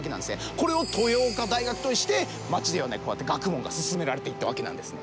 これを豊岡大学として町ではこうやって学問が進められていったわけなんですね。